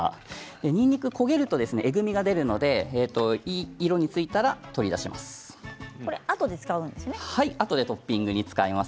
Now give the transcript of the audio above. にんにくは焦げるとえぐみが出るのでいい色がついたら取り出します。